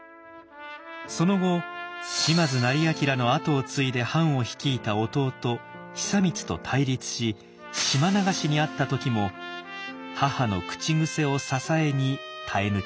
その後島津斉彬の跡を継いで藩を率いた弟久光と対立し島流しに遭った時も母の口癖を支えに耐え抜きます。